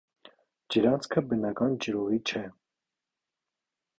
Ջրանցքը բնական ջրուղի չէ։